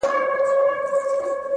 ته چیري تللی یې اشنا او زندګي چیري ده;